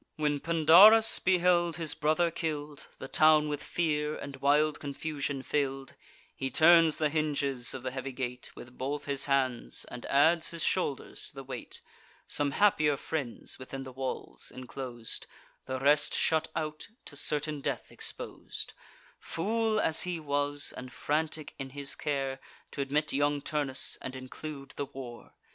When Pandarus beheld his brother kill'd, The town with fear and wild confusion fill'd, He turns the hinges of the heavy gate With both his hands, and adds his shoulders to the weight Some happier friends within the walls inclos'd; The rest shut out, to certain death expos'd: Fool as he was, and frantic in his care, T' admit young Turnus, and include the war!